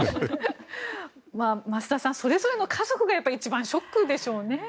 増田さんそれぞれの家族が一番ショックでしょうね。